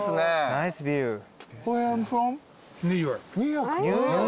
ナイスビュー。